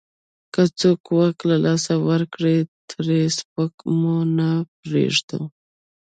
که څوک واک له لاسه ورکړي، ترې سپکه مو نه پرېږدو.